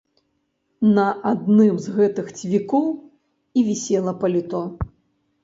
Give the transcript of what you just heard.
На адным з гэтых цвікоў і вісела паліто.